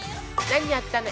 何やったの？